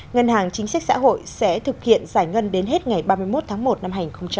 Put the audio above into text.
ngân hàng chính sách xã hội sẽ thực hiện giải ngân đến hết ngày ba mươi một tháng một năm hai nghìn hai mươi